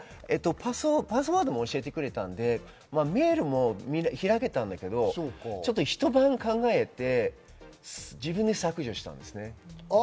パスワードも教えてくれたので、メールも開けたんだけど、一晩考えて自分で削除したんです。